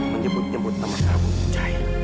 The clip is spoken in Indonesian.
menjemput jemput nama prabu jaya